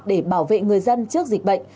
để bảo vệ người dân trước dịch bệnh